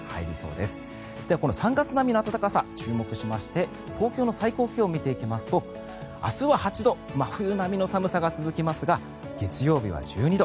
では、この３月並みの暖かさに注目しまして東京の最高気温を見てみますと明日は８度真冬並みの寒さが続きますが月曜日は１２度。